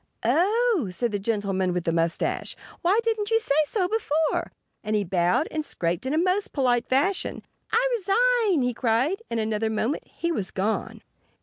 "Oh!" said the gentleman with the mustache. "Why didn't you say so before?" And he bowed and scraped in a most polite fashion. "I resign!" he cried. In another moment he was gone.